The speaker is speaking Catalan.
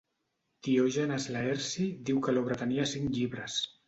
Diògenes Laerci diu que l'obra tenia cinc llibres.